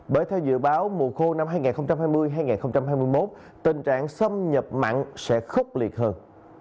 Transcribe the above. bởi theo dự báo mùa khô năm hai nghìn hai mươi hai nghìn hai mươi một tình trạng xâm nhập mặn sẽ khốc liệt hơn